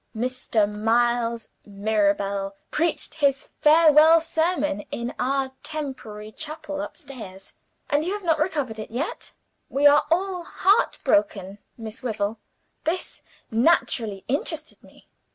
Mr. Miles Mirabel preached his farewell sermon, in our temporary chapel upstairs.' "'And you have not recovered it yet?' "'We are all heart broken, Miss Wyvil.' "This naturally interested me.